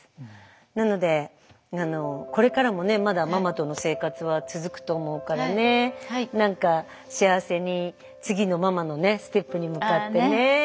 なのでこれからもねまだママとの生活は続くと思うからね何か幸せに次のママのステップに向かってね。